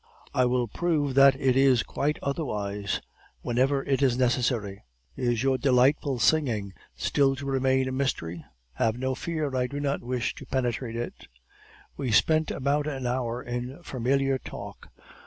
"'I will prove that it is quite otherwise, whenever it is necessary. Is your delightful singing still to remain a mystery? Have no fear, I do not wish to penetrate it.' "We spent about an hour in familiar talk.